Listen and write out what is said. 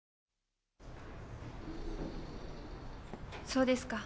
そうですか。